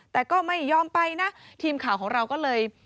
แต่ก็ไม่ยอมไปนะทีมข่าวของเราก็เลย